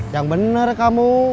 yang bener kamu